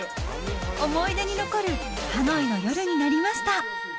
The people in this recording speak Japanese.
思い出に残るハノイの夜になりました。